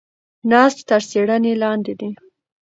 نسج تر څېړنې لاندې دی.